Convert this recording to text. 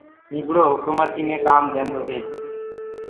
نيٚڀڙو هڪمتيٚ مي ڪآم دينٚدو هي